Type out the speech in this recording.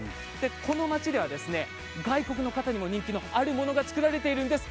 この町では外国の方にも人気の、あるものが作られているんです。